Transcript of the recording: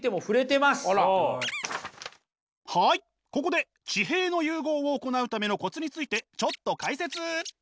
はいここで地平の融合を行うためのコツについてちょっと解説！